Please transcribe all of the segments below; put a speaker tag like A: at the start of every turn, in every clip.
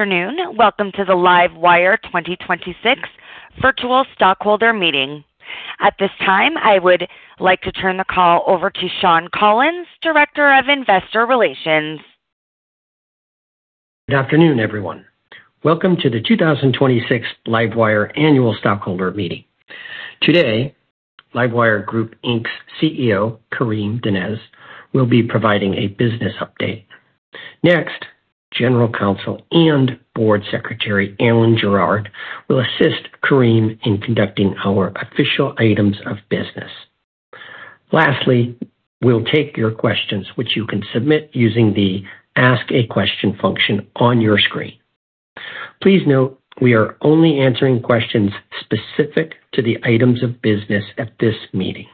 A: Good afternoon. Welcome to the LiveWire 2026 Virtual Stockholder Meeting. At this time, I would like to turn the call over to Shawn Collins, Director of Investor Relations.
B: Good afternoon, everyone. Welcome to the 2026 LiveWire Annual Stockholder Meeting. Today, LiveWire Group, Inc's CEO, Karim Donnez, will be providing a business update. Next, General Counsel and Board Secretary, Allen Gerrard, will assist Karim in conducting our official items of business. Lastly, we'll take your questions, which you can submit using the Ask a Question function on your screen. Please note, we are only answering questions specific to the items of business at this meeting.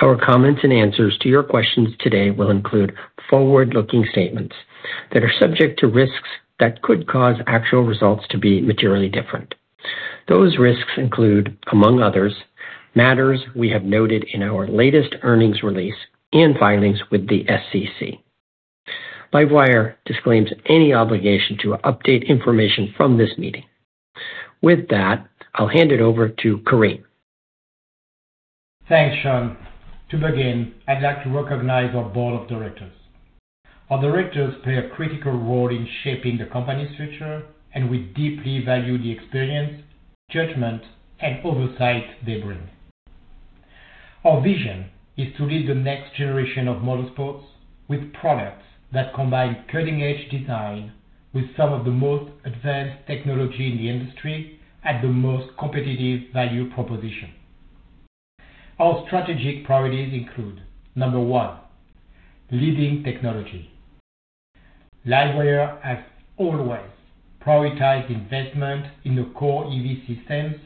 B: Our comments and answers to your questions today will include forward-looking statements that are subject to risks that could cause actual results to be materially different. Those risks include, among others, matters we have noted in our latest earnings release and filings with the SEC. LiveWire disclaims any obligation to update information from this meeting. With that, I'll hand it over to Karim.
C: Thanks, Shawn. To begin, I'd like to recognize our Board of Directors. Our directors play a critical role in shaping the company's future, and we deeply value the experience, judgment, and oversight they bring. Our vision is to lead the next generation of motorsports with products that combine cutting-edge design with some of the most advanced technology in the industry at the most competitive value proposition. Our strategic priorities include, number one, leading technology. LiveWire has always prioritized investment in the core EV systems,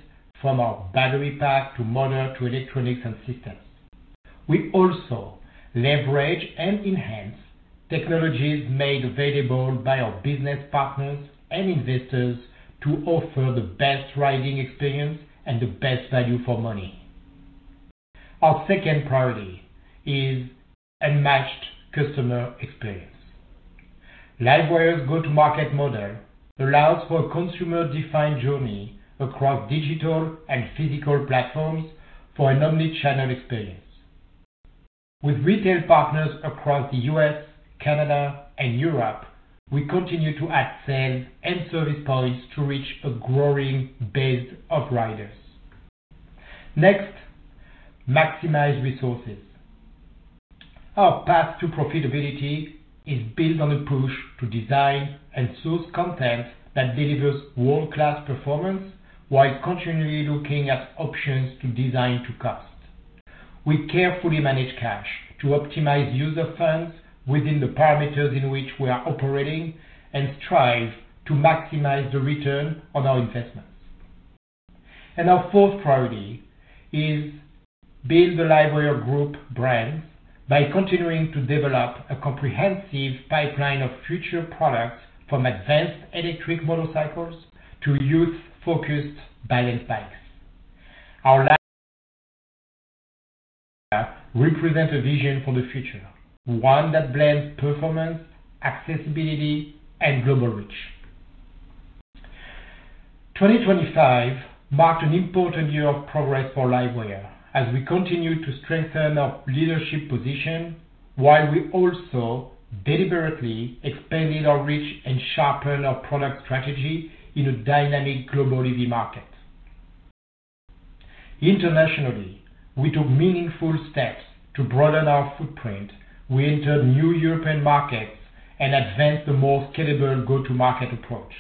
C: from our battery pack to motor to electronics and systems. We also leverage and enhance technologies made available by our business partners and investors to offer the best riding experience and the best value for money. Our second priority is unmatched customer experience. LiveWire's go-to-market model allows for a consumer-defined journey across digital and physical platforms for an omni-channel experience. With retail partners across the U.S., Canada, and Europe, we continue to add sales and service points to reach a growing base of riders. Next, maximize resources. Our path to profitability is built on a push to design and source content that delivers world-class performance while continually looking at options to design to cost. We carefully manage cash to optimize user funds within the parameters in which we are operating and strive to maximize the return on our investments. Our fourth priority is build the LiveWire Group brand by continuing to develop a comprehensive pipeline of future products, from advanced electric motorcycles to youth-focused balance bikes. Our last represent a vision for the future. One that blends performance, accessibility, and global reach. 2025 marked an important year of progress for LiveWire as we continued to strengthen our leadership position while we also deliberately expanded our reach and sharpened our product strategy in a dynamic global EV market. Internationally, we took meaningful steps to broaden our footprint. We entered new European markets and advanced the most scalable go-to-market approach.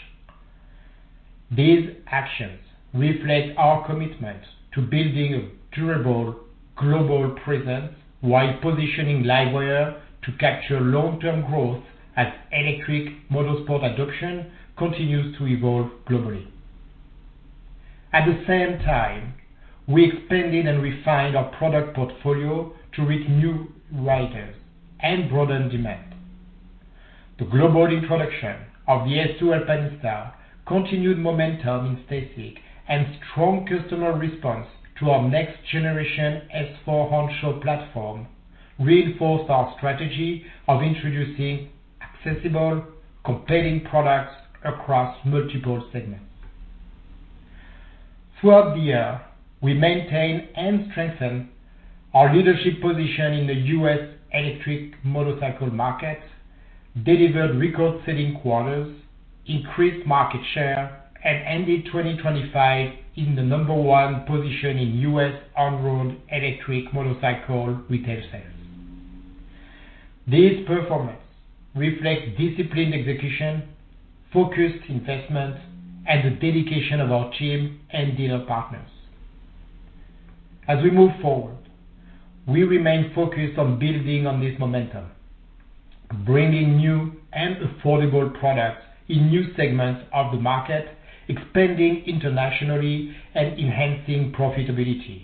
C: These actions reflect our commitment to building a durable global presence while positioning LiveWire to capture long-term growth as electric motorsport adoption continues to evolve globally. At the same time, we expanded and refined our product portfolio to reach new riders and broaden demand. The global introduction of the S2 Alpinista continued momentum in STACYC, and strong customer response to our next generation S4 Honcho platform reinforced our strategy of introducing accessible, compelling products across multiple segments. Throughout the year, we maintained and strengthened our leadership position in the U.S. electric motorcycle market, delivered record-setting quarters, increased market share, and ended 2025 in the number one position in U.S. on-road electric motorcycle retail sales. This performance reflects disciplined execution, focused investment, and the dedication of our team and dealer partners. As we move forward, we remain focused on building on this momentum, bringing new and affordable products in new segments of the market, expanding internationally, and enhancing profitability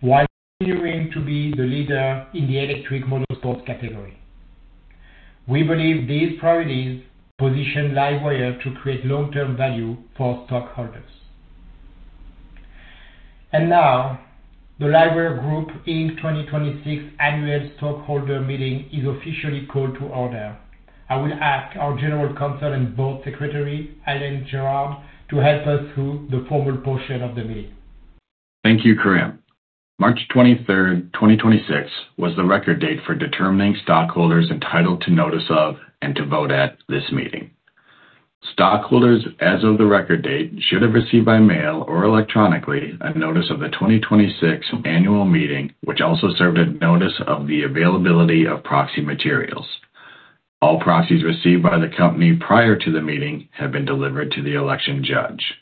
C: while continuing to be the leader in the electric motorsports category. We believe these priorities position LiveWire to create long-term value for stockholders. Now, the LiveWire Group, Inc 2026 Annual Stockholder Meeting is officially called to order. I will ask our General Counsel and Board Secretary, Allen Gerrard, to help us through the formal portion of the meeting.
D: Thank you, Karim. March 23rd, 2026, was the record date for determining stockholders entitled to notice of, and to vote at, this meeting. Stockholders as of the record date should have received by mail or electronically a notice of the 2026 Annual Meeting, which also served a notice of the Availability of Proxy Materials. All proxies received by the company prior to the meeting have been delivered to the election judge.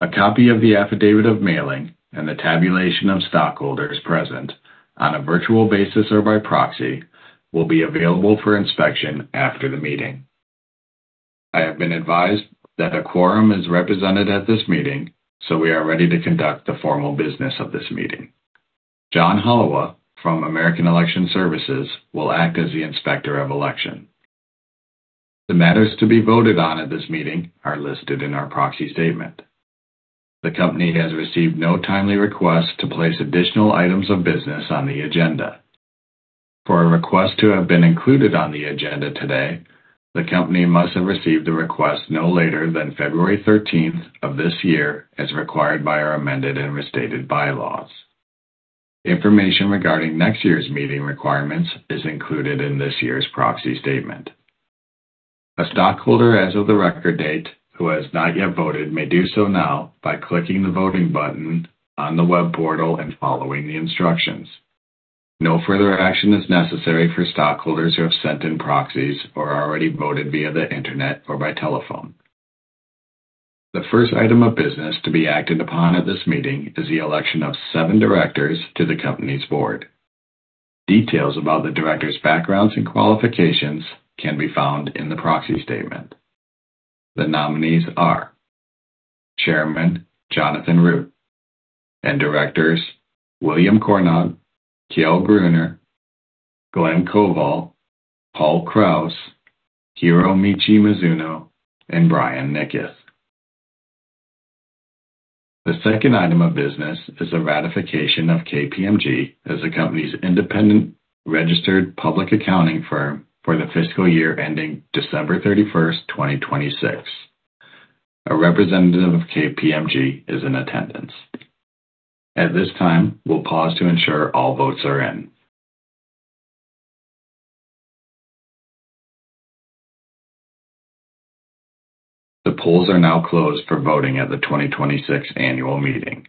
D: A copy of the Affidavit of Mailing and the tabulation of stockholders present on a virtual basis or by proxy will be available for inspection after the meeting. I have been advised that a quorum is represented at this meeting. We are ready to conduct the formal business of this meeting. John Holewa from American Election Services will act as the Inspector of Election. The matters to be voted on at this meeting are listed in our proxy statement. The company has received no timely requests to place additional items of business on the agenda. For a request to have been included on the agenda today, the company must have received the request no later than February 13th of this year, as required by our Amended and Restated Bylaws. Information regarding next year's meeting requirements is included in this year's proxy statement. A stockholder as of the record date who has not yet voted may do so now by clicking the voting button on the web portal and following the instructions. No further action is necessary for stockholders who have sent in proxies or already voted via the internet or by telephone. The first item of business to be acted upon at this meeting is the election of seven directors to the company's Board. Details about the directors' backgrounds and qualifications can be found in the proxy statement. The nominees are Chairman Jonathan Root and directors William Cornog, Kjell Gruner, Glen Koval, Paul Krause, Hiromichi Mizuno, and Bryan Niketh. The second item of business is the ratification of KPMG as the company's independent registered public accounting firm for the fiscal year ending December 31st, 2026. A representative of KPMG is in attendance. At this time, we'll pause to ensure all votes are in. The polls are now closed for voting at the 2026 Annual Meeting.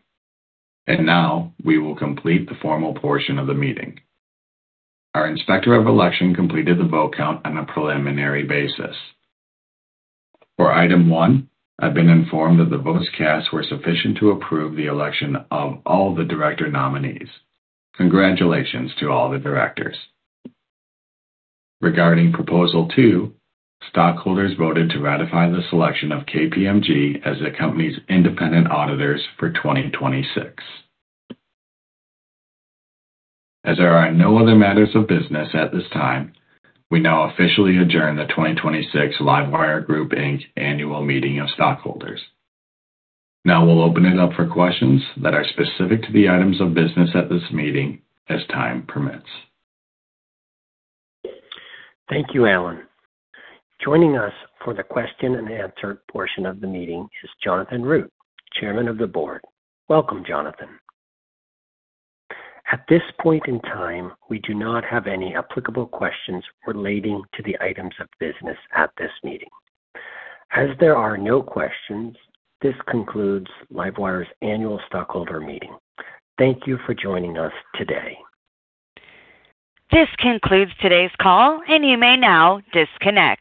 D: Now we will complete the formal portion of the meeting. Our Inspector of Election completed the vote count on a preliminary basis. For Item 1, I've been informed that the votes cast were sufficient to approve the election of all the director nominees. Congratulations to all the directors. Regarding Proposal 2, stockholders voted to ratify the selection of KPMG as the company's independent auditors for 2026. As there are no other matters of business at this time, we now officially adjourn the 2026 LiveWire Group, Inc Annual Meeting of Stockholders. We'll open it up for questions that are specific to the items of business at this meeting as time permits.
B: Thank you, Allen. Joining us for the question-and-answer portion of the meeting is Jonathan Root, Chairman of the Board. Welcome, Jonathan. At this point in time, we do not have any applicable questions relating to the items of business at this meeting. As there are no questions, this concludes LiveWire's Annual Stockholder Meeting. Thank you for joining us today.
A: This concludes today's call, and you may now disconnect.